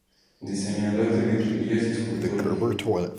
Diseñador de vidrieras y esculturas.